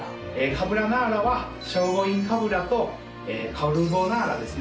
カブラナーラは聖護院かぶらとカルボナーラですね。